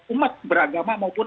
umat beragama maupun